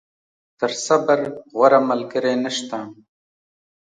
تر صبر، غوره ملګری نشته.